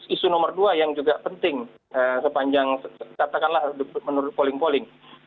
isu nomor dua yang juga penting sepanjang katakanlah menurut polling polling